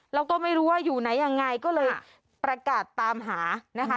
แล้วก็ไม่รู้ว่าอยู่ไหนยังไงก็เลยประกาศตามหานะคะ